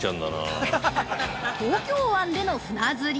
◆東京湾での船釣り！